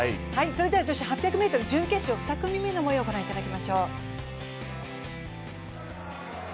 それでは女子８００ｍ準決勝２組目のもようを御覧いただきましょう。